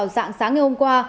sáng ngày hôm qua